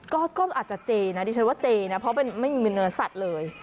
ก็กล้องอาจจะเจนะดิฉันว่าเจนะเพราะมันไม่มีเนื้อสัตว์เลย